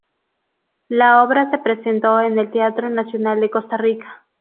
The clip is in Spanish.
La obra se presentó en el Teatro Nacional de Costa Rica.